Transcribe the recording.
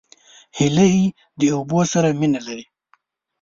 هیلۍ د اوبو سره مینه لري